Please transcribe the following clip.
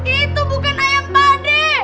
itu bukan ayam padi